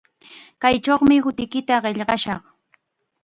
Kaychawmi hutiykita qillqashaq.